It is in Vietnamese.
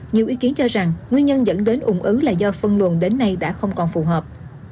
nhiều ý kiến cho rằng nguyên nhân dẫn đến ủng ứ là do phân luồn đến nay đã không còn phù hợp